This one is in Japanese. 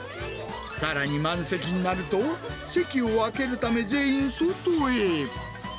さらに、満席になると、席を空けるため、全員、外へ。